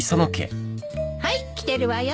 はい来てるわよ。